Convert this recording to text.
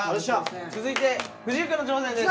続いて藤井くんの挑戦です。